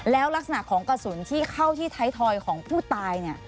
แล้วลักษณะของกระสุนที่เข้าที่ไทยทอยของผู้ตาย